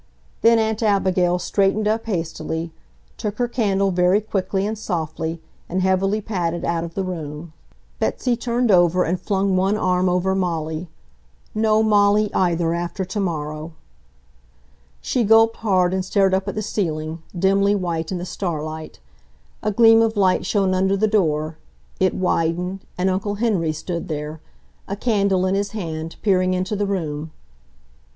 Then Aunt Abigail straightened up hastily, took her candle very quickly and softly, and heavily padded out of the room. Betsy turned over and flung one arm over Molly—no Molly, either, after tomorrow! She gulped hard and stared up at the ceiling, dimly white in the starlight. A gleam of light shone under the door. It widened, and Uncle Henry stood there, a candle in his hand, peering into the room.